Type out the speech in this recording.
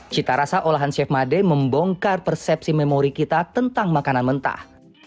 cita rasa olahan chef made membongkar persepsi memori kita tentang makanan mentah